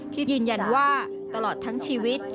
ยืนยันว่าตลอดทั้งชีวิต